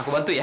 aku bantu ya